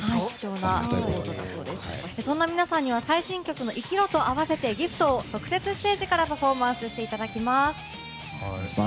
そんな皆さんには最新曲の「生きろ」に合わせて「ＧＩＦＴ」を特設ステージからパフォーマンスしていただきます。